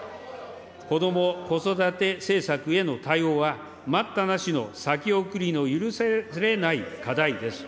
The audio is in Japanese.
こども・子育て政策への対応は、待ったなしの先送りの許されない課題です。